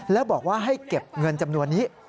แล้วบอกว่าให้เก็บเงินจำนวนนี้